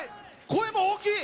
声も大きい！